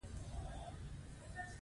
لوی پانګوال له لس سلنه څخه زیات نه وو